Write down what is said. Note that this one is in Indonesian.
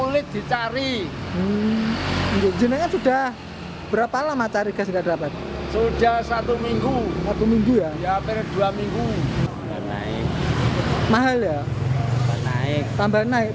ketika gas dikeluhkan sejumlah pangkalan yang mencapai rp dua puluh hingga rp dua puluh per tabung